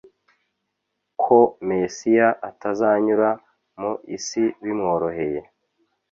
ko Mesiya atazanyura mu isi bimworohereye;